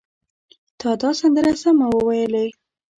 تا دا سندره سمه وویلې!